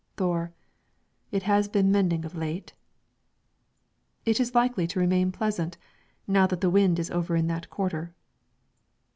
Thore: "It has been mending of late." "It is likely to remain pleasant, now that the wind is over in that quarter."